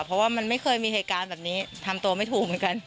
เพราะว่ามันไม่เคยมีเหตุการณ์แบบนี้ทำตัวไม่ถูกเหมือนกัน